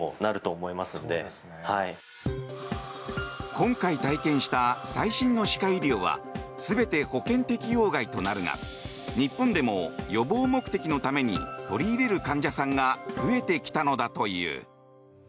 今回体験した最新の歯科医療は全て保険適用外となるが日本でも予防目的のために取り入れる患者さんが増えてきたのだという。